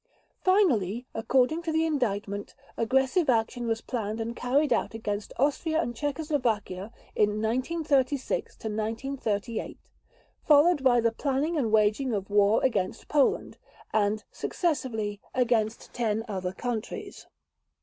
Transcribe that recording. Finally, according to the Indictment, aggressive action was planned and carried out against Austria and Czechoslovakia in 1936 1938, followed by the planning and waging of war against Poland; and, successively, against 10 other countries.